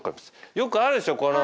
よくあるでしょ。